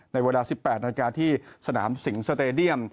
ในวันดา๑๘นาทีสนามสิงห์สเตรเดียน